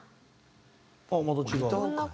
ああまた違う。